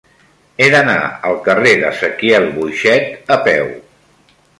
He d'anar al carrer d'Ezequiel Boixet a peu.